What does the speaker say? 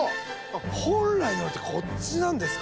本来の色ってこっちなんですか？